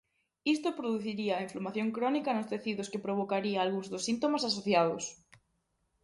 Isto produciría a inflamación crónica nos tecidos que provocaría algúns dos síntomas asociados.